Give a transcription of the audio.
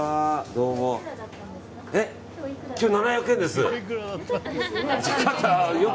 今日７００円です。